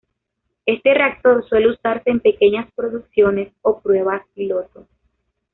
Este reactor suele usarse en pequeñas producciones o pruebas piloto.